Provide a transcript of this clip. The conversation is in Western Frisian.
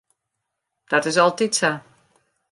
Dat is altyd sa.